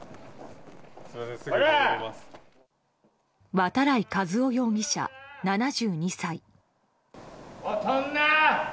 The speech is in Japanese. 渡来和雄容疑者、７２歳。